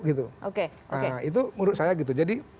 itu menurut saya